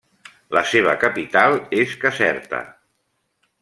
La seva capital és Caserta.